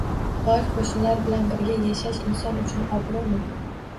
Boy qo‘shnilar bilan birga yashash inson uchun obro‘mi?